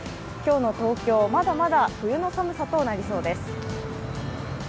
今日の東京、まだまだ冬の寒さとなりそうです。